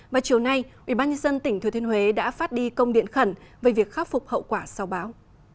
và chiều nay ubnd tỉnh thừa thiên huế đã phát đi công điện khẩn về việc khắc phục hậu quả sau báo